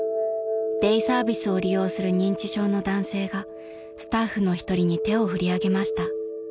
［デイサービスを利用する認知症の男性がスタッフの一人に手を振り上げました］